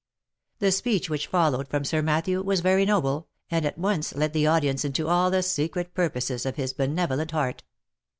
The speech which followed from Sir Matthew was very noble, and at once let the audience into all the secret purposes of his benevolent heart.